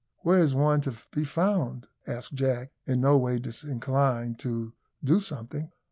Where is one to be found?" asked Jack, in no way disinclined to do something.